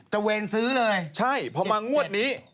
เวนซื้อเลยใช่พอมางวดนี้